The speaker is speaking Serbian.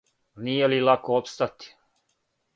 Није лако опстати.